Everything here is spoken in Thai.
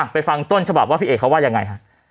ผ่านต้นฉบับราบไอของไว้ยังไง